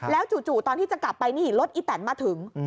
จู่ตอนที่จะกลับไปนี่รถอีแตนมาถึง